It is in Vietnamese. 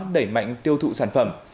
đẩy mạnh tiêu thụ sản phẩm